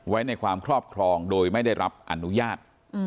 ไว้ในความครอบครองโดยไม่ได้รับอนุญาต